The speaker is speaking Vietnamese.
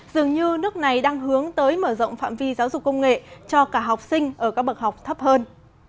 dường như nước này đang hướng tới mở rộng phạm vi giáo dục công nghệ cho cả học sinh ở các bậc học thấp hơn